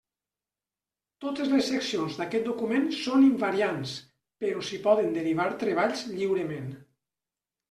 Totes les seccions d'aquest document són “invariants” però s'hi poden derivar treballs lliurement.